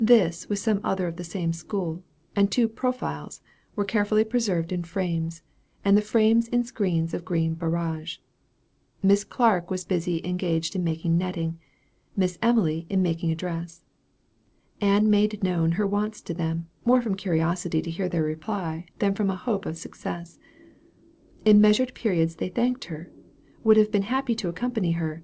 This, with some others of the same school, and two "profiles," were carefully preserved in frames, and the frames in screens of green barage. Miss Clark was busily engaged in making netting, and Miss Emily in making a dress. Ann made known her wants to them, more from curiosity to hear their reply, than from a hope of success. In measured periods they thanked her would have been happy to accompany her.